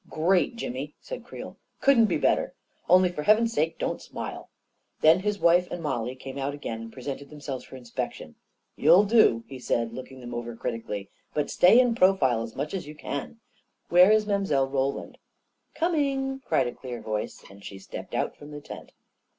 " Great, Jimmy! " said Creel. " Couldn't be bet ter. Only for heaven's sake, don't smile !" Then his wife and Mollie came out again and presented themselves for inspection. "You'll do," he said, A KING IN BABYLON 151 looking them ovef critically. " But stay in profile as much as you can. Where is Mile. Roland? "" Coming !" cried a clear voice, and she stepped out from the tent.